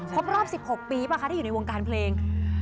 ครบรอบ๑๖ปีป่ะคะที่อยู่ในวงการเพลง